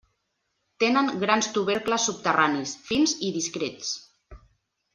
Tenen grans tubercles subterranis, fins i discrets.